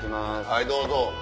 はいどうぞ。